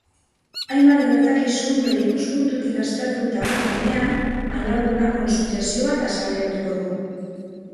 Hainbat gertakizun bere ikuspuntutik aztertuta, baina, alargunak konspirazio bat azaleratuko du.